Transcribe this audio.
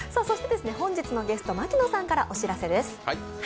そして本日のゲスト牧野さんからお知らせです。